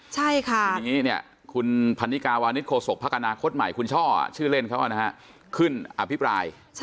ทีนี้เนี้ยคือช่อคือเล่นเขาก็นะฮะขึ้นอภิปราย